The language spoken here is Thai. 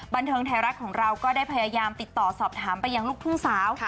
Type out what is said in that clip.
บันเทิงไทยรัฐของเราก็ได้พยายามติดต่อสอบถามไปยังลูกทุ่งสาว